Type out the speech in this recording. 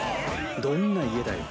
どんな家だよ。